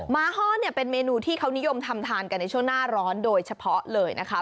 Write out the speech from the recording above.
้าห้อเนี่ยเป็นเมนูที่เขานิยมทำทานกันในช่วงหน้าร้อนโดยเฉพาะเลยนะคะ